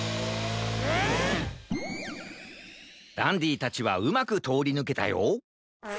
ダンディたちはうまくとおりぬけたよ。